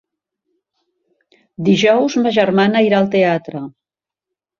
Dijous ma germana irà al teatre.